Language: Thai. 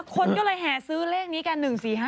คนก็เลยแห่ซื้อเลขนี้กัน๑๔๕